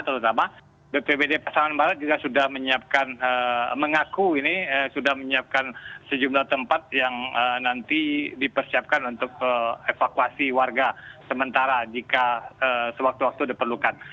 terutama bppd pasaman barat juga sudah menyiapkan mengaku ini sudah menyiapkan sejumlah tempat yang nanti dipersiapkan untuk evakuasi warga sementara jika sewaktu waktu diperlukan